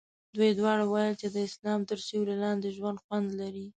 دوی دواړو ویل چې د اسلام تر سیوري لاندې ژوند خوند لري.